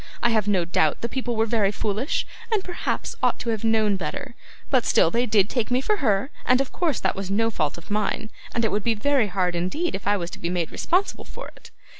I have no doubt the people were very foolish, and perhaps ought to have known better, but still they did take me for her, and of course that was no fault of mine, and it would be very hard indeed if I was to be made responsible for it.